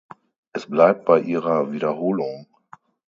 Es bleibt bei ihrer Wiederholung.